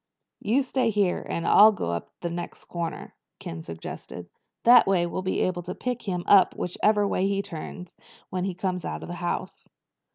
"You stay here and I'll go up to the next corner," Ken suggested. "That way we'll be able to pick him up whichever way he turns when he comes out of the house."